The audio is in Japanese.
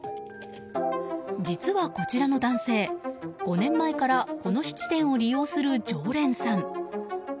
実はこちらの男性、５年前からこの質店を利用する常連さん。